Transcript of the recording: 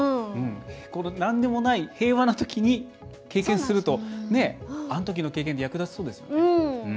なんでもない平和なときに経験するとあのときの経験役立ちそうですね。